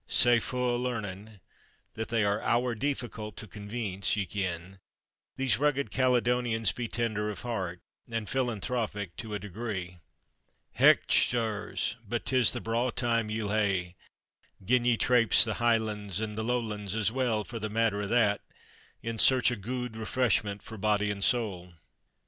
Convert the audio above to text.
Though hard of head and "sae fu' o' learning" that they are "owre deeficult to conveence, ye ken," these rugged Caledonians be tender of heart, and philanthropic to a degree. Hech, sirs! but 'tis the braw time ye'll hae, gin ye trapese the Highlands, an' the Lowlands as well for the matter o' that in search o' guid refreshment for body an' soul.